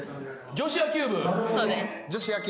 女子野球部。